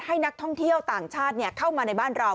ให้นักท่องเที่ยวต่างชาติเข้ามาในบ้านเรา